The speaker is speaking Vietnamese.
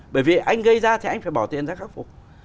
bởi vì anh gây ra thì anh phải bỏ tiền ra khắc phục